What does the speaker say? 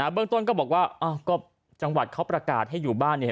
เรื่องต้นก็บอกว่าก็จังหวัดเขาประกาศให้อยู่บ้านเนี่ย